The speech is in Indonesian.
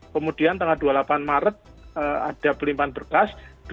kemudian tanggal dua puluh delapan maret ada pelimpan berkas